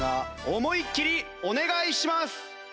思いっきりお願いします！